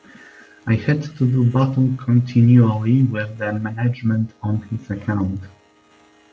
I had to do battle continually with the management on his account.